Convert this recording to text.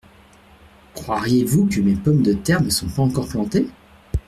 Croiriez-vous que mes pommes de terre ne sont pas encore plantées ?…